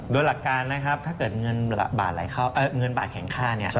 โดยหลักการถ้าเงินบาทแข็งค่า